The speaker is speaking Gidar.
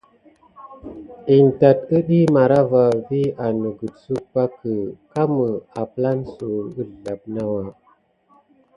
In tat əɗiy marava vi an nəgəsuk pake. Kame aplan suw əzlaɓe nawa.